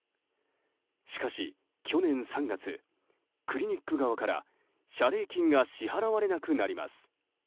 しかし、去年３月クリニック側から謝礼金が支払われなくなります。